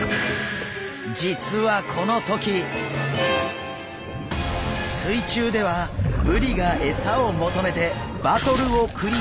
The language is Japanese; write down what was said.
実はこの時水中ではブリが餌を求めてバトルを繰り広げていました。